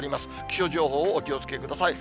気象情報をお気をつけください。